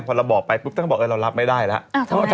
พอบอกไปเพิ่งท่านก็บอกเรารับไม่ได้แล้ว